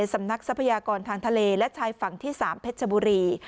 ทรัพยากรทางทะเลและชายฝั่งที่๓เพชรบุรี